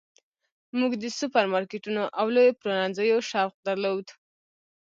موږ د سوپرمارکیټونو او لویو پلورنځیو شوق درلود